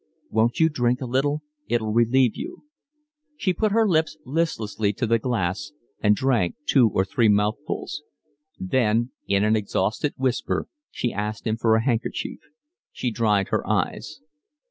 "Won't you drink a little? It'll relieve you." She put her lips listlessly to the glass and drank two or three mouthfuls. Then in an exhausted whisper she asked him for a handkerchief. She dried her eyes.